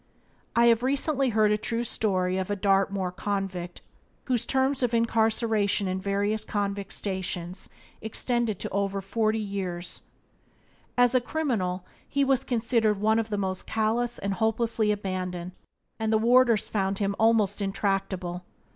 I have recently heard a true story of a Dartmoor convict whose terms of incarceration in various convict stations extended to over forty Byways to Blessedness by James Allen 34 years. As a criminal he was considered one of the most callous and hopelessly abandoned, and the warders found him almost intractable.